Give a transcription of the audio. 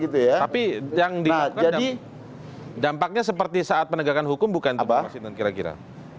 tapi yang dilakukan dampaknya seperti saat penegakan hukum bukan itu pak mas hinton kira kira